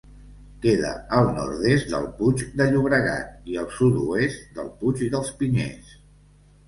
Queda al nord-est del Puig de Llobregat i al sud-oest del Puig dels Pinyers.